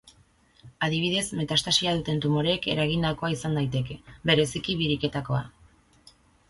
Adibidez, metastasia duten tumoreek eragindakoa izan daiteke, bereziki biriketakoa.